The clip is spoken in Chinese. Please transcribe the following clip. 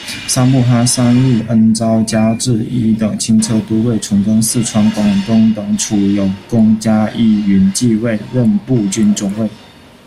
萨穆哈三遇恩诏加至一等轻车都尉，从征四川、广东等处有功加一云骑尉，任步军总尉。